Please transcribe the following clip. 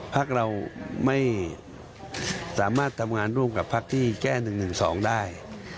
พักเราไม่สามารถทำงานร่วมกับพักที่แก้๑๑๒ได้